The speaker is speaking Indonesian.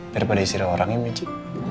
daripada istri orangnya michi